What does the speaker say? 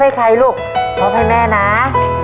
เป็นใครลูกเอาไปแม่นะ